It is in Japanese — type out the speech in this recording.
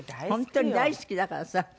本当に大好きだからさ。